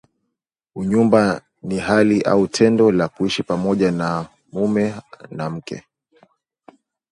Unyumba ni hali au tendo la kuishi pamoja kama mume na mke